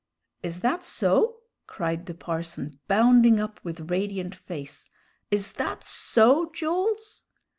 "Is that so?" cried the parson, bounding up with radiant face "is that so, Jools?"